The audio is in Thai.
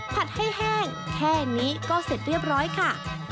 ผัดให้แห้งแค่นี้ก็เสร็จเรียบร้อยค่ะ